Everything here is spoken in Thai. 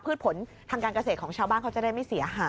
ผลทางการเกษตรของชาวบ้านเขาจะได้ไม่เสียหาย